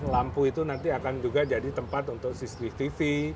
lampu itu nanti akan juga jadi tempat untuk cctv